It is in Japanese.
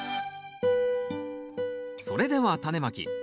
それではタネまき。